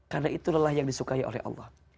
karena itu lelah yang disukai oleh allah